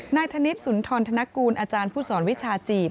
ธนิษฐสุนทรธนกูลอาจารย์ผู้สอนวิชาจีบ